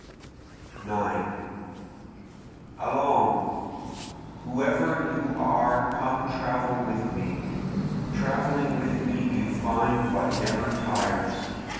9 Allons! whoever you are come travel with me! Traveling with me you find what never tires.